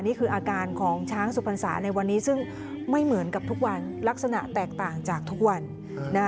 นี่คืออาการของช้างสุพรรษาในวันนี้ซึ่งไม่เหมือนกับทุกวันลักษณะแตกต่างจากทุกวัน